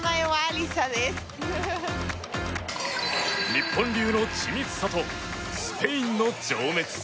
日本流の緻密さとスペインの情熱。